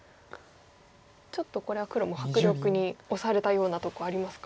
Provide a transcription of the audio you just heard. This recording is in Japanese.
ちょっとこれは黒も迫力に押されたようなとこありますか？